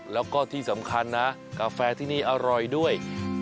แล้วก็ที่สำคัญนะกาแฟที่นี่อร่อยด้วย